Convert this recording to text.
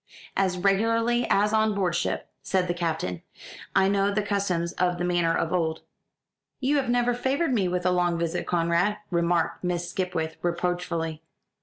"As regularly as on board ship," said the Captain. "I know the customs of the manor of old." "You have never favoured me with a long visit, Conrad," remarked Miss Skipwith reproachfully.